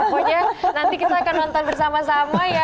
pokoknya nanti kita akan nonton bersama sama ya